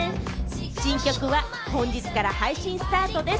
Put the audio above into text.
新曲は本日から配信スタートです。